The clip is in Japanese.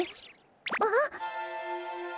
あっ！